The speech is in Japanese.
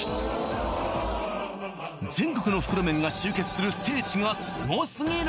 全国の袋麺が集結する聖地がすごすぎる